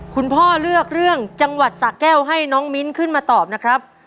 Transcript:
พ่อเลือกเรื่องจังหวัดสะแก้วให้น้องมิ้นขึ้นมาตอบนะครับ